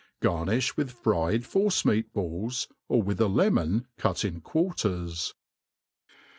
Garni(hwith fried force meat* balls, or with a lemon cut in quarters.